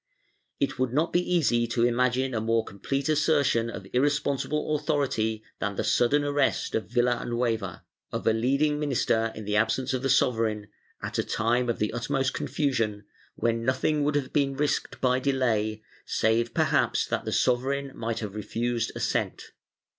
It would not be easy to imagine a more complete assertion of irresponsible authority than the sudden arrest of Villanueva — of a leading minister in the absence of the sovereign, at a time of the utmost confusion, when nothing would have been risked by delay, save perhaps that the sovereign might have refused assent.